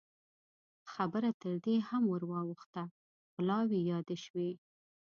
خبره تر دې هم ور واوښته، غلاوې يادې شوې.